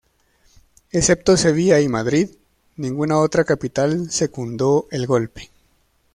Excepto Sevilla y Madrid, ninguna otra capital secundó el golpe.